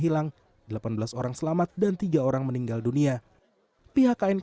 pihak knkt menyebutkan bahwa penumpang yang terlalu banyak penumpang tidak bisa dihubungi dengan penumpang yang terlalu banyak